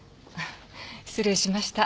失礼しました。